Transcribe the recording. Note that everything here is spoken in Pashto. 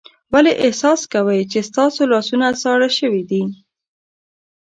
ولې احساس کوئ چې ستاسو لاسونه ساړه شوي دي؟